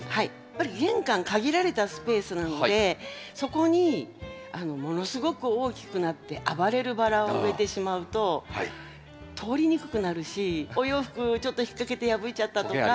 やっぱり玄関限られたスペースなのでそこにものすごく大きくなって暴れるバラを植えてしまうと通りにくくなるしお洋服ちょっと引っ掛けて破いちゃったとか。